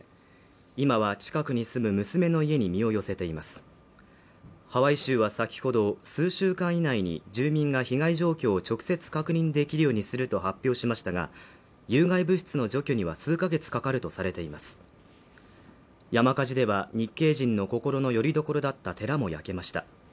今は近くに住む娘の家に身を寄せていますハワイ州は先ほど数週間以内に住民が被害状況を直接確認できるようにすると発表しましたが有害物質の除去には数カ月かかるとされています山火事では日系人の心のよりどころだった寺も焼けました